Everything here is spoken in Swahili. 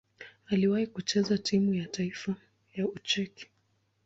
Aliwahi kucheza timu ya taifa ya Ucheki.